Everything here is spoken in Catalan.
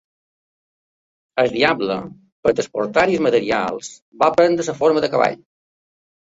El diable, per a transportar-hi els materials, va prendre la forma de cavall.